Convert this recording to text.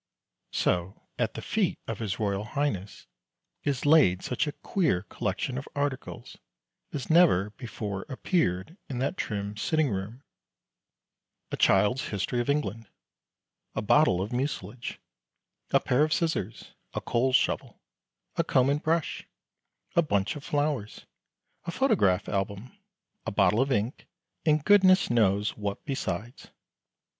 So at the feet of his Royal Highness is laid such a queer collection of articles as never before appeared in that trim sitting room: a Child's History of England, a bottle of mucilage, a pair of scissors, a coal shovel, a comb and brush, a bunch of flowers, a photograph album, a bottle of ink, and goodness knows what besides.